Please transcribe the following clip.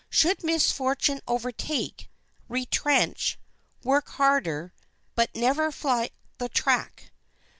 Should misfortune overtake, retrench, work harder; but never fly the track.